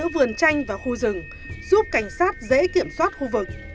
vào khu rừng giúp cảnh sát dễ kiểm soát khu vực